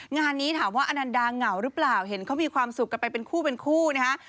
งานนี้ถามว่าอนันดาเหงาหรือเปล่าเห็นเขามีความสุขกันไปเป็นคู่เป็นคู่นะฮะ